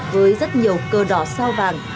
với rất nhiều cơ đỏ sao vàng